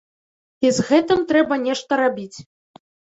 І з гэтым трэба нешта рабіць.